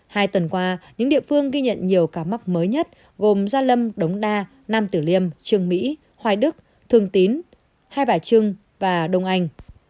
hai tuần qua những địa phương ghi nhận nhiều ca mắc mới nhất gồm gia lâm đống đa nam tử liêm trường mỹ hoài đức thường tín hai bà trưng và đông anh